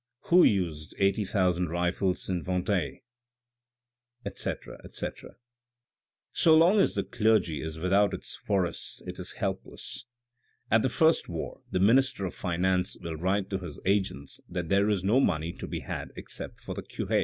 Who used eighty thousand rifles in Vendee ?" etc., etc. " So long as the clergy is without its forests it is helpless. At the first war the minister of finance will write to his agents that there is no money to be had except for the cure.